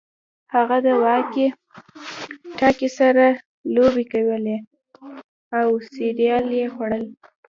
هغه د واکي ټاکي سره لوبې کولې او سیریل یې خوړل